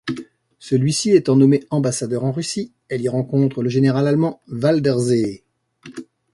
Celui-ci étant nommé ambassadeur en Russie, elle y rencontre le général allemand Waldersee.